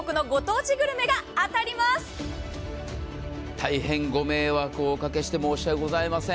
大変ご迷惑をおかけして申し訳ございません。